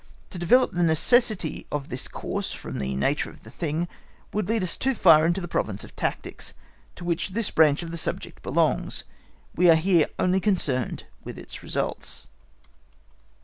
To develop the necessity of this course from the nature of the thing would lead us too far into the province of tactics, to which this branch of the subject belongs; we are here only concerned with its results.